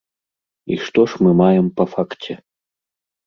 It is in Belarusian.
І што ж мы маем па факце?